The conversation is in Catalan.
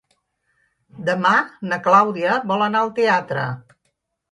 Demà na Clàudia vol anar al teatre.